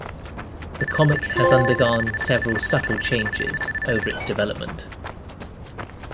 The comic has undergone several subtle changes over its development.